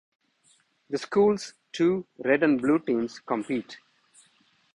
The school's two "red" and "blue" teams compete.